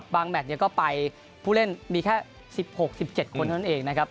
แมทก็ไปผู้เล่นมีแค่๑๖๑๗คนเท่านั้นเองนะครับ